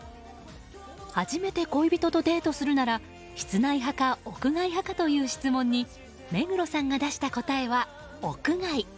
初めて恋人とデートするなら室内派か屋外派かという質問に目黒さんが出した答えは屋外。